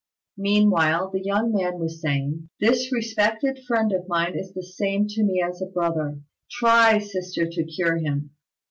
Meanwhile the young man was saying, "This respected friend of mine is the same to me as a brother. Try, sister, to cure him."